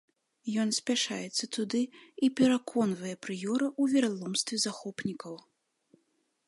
Ён спяшаецца туды і пераконвае прыёра ў вераломстве захопнікаў.